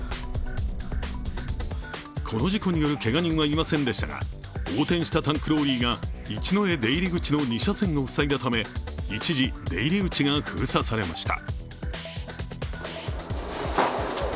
この事故によるけが人はいませんでしたが、横転したタンクローリーが、一之江出入り口の２車線を塞いだだめ一時、出入り口が封鎖されました。